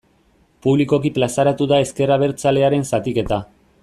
Publikoki plazaratu da ezker abertzalearen zatiketa.